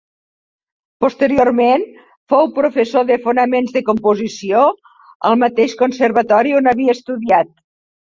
Posteriorment, fou professor de Fonaments de Composició al mateix Conservatori on havia estudiat.